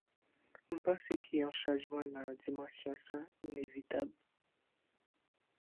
mwen panse ke yon chanjman nan dimansyon sa inevitab